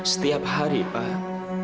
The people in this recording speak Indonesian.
setiap hari pak